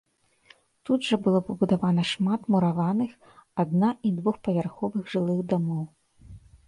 Тут жа было пабудавана шмат мураваных адна і двухпавярховых жылых дамоў.